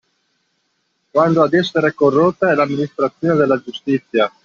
Quando ad essere corrotta è l'amministrazione della giustizia.